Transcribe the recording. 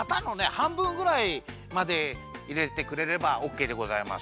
はんぶんぐらいまでいれてくれればオッケーでございます。